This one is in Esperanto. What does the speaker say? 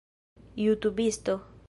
jutubisto